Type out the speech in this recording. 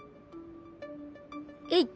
えいっ。